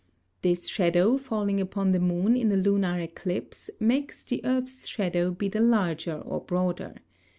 This Shadow falling upon the Moon in a Lunar Eclipse, makes the Earth's Shadow be the larger or broader.